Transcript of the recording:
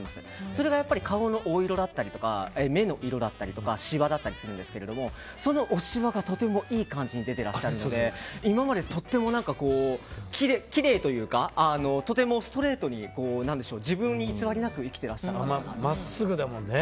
それが顔のお色だったり目の色だったりとかしわだったりとかするんですけどそのおしわがとてもいい感じに出ていらっしゃるので今までとってもきれいというかとてもストレートに自分に偽りなく真っすぐだもんね。